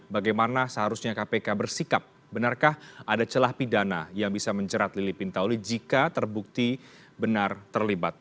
bagaimana seharusnya kpk bersikap benarkah ada celah pidana yang bisa menjerat lili pintauli jika terbukti benar terlibat